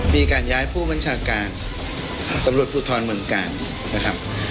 มีการย้ายผู้บัญชาการตำรวจภูทรเมืองกาลนะครับ